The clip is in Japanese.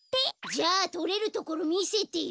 じゃあとれるところみせてよ。